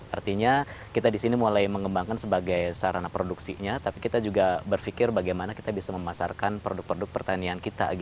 artinya kita di sini mulai mengembangkan sebagai sarana produksinya tapi kita juga berpikir bagaimana kita bisa memasarkan produk produk pertanian kita